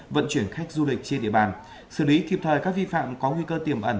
vận chuyển khách du lịch trên địa bàn xử lý kịp thời các vi phạm có nguy cơ tiềm ẩn